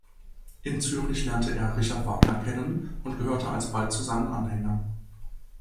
In Zürich lernte er Richard Wagner kennen und gehörte alsbald zu seinen Anhängern.